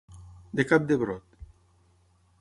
De cap de brot.